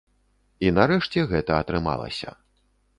І нарэшце гэта атрымалася.